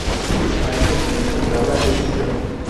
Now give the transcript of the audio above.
El año de comienzo de la obra es incierto.